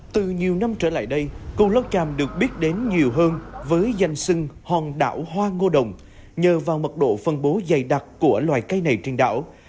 từ nhiều năm trở lại đây cù lao tràm được biết đến nhiều hơn với danh sưng hòn đảo hoa ngô đồng nhờ vào mật độ phân bố dày đặc của loài cây này trên đảo